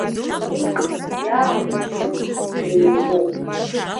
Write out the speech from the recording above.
Уик иаабахьоу дреицәоуп.